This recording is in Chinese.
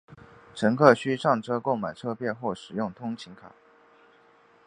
乘客需上车购买车票或使用通勤卡。